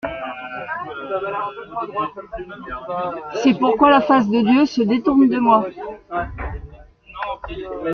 C'est pourquoi la face de Dieu se détourne de moi.